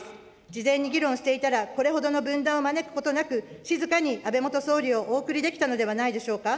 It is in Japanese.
事前に議論していたら、これほどの分断を招くことなく、静かに安倍元総理をお送りできたのではないでしょうか。